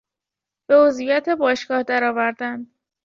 به عضویت باشگاه درآوردن